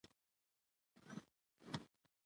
احمدشاه بابا د ملت ریښتینی خدمتګار و.